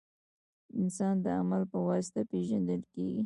• انسان د عمل په واسطه پېژندل کېږي.